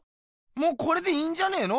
もうこれでいいんじゃねえの？